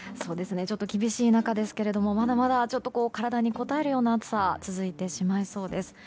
厳しい中ですけどまだまだ体にこたえるような暑さ続いてしまいそうです。